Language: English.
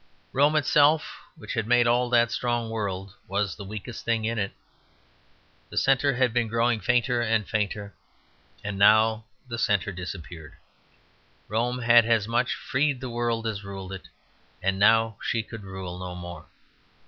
Rome itself, which had made all that strong world, was the weakest thing in it. The centre had been growing fainter and fainter, and now the centre disappeared. Rome had as much freed the world as ruled it, and now she could rule no more.